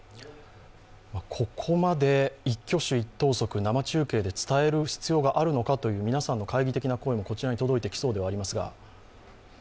ここまで一挙手一投足生中継で伝える必要があるのかという皆さんの懐疑的な声もこちらに届いてきそうでもありますが。